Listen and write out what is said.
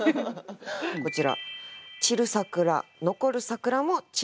こちら。